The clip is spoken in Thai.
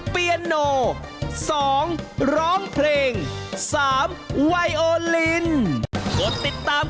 เบอร์เบอร์อีกแล้ว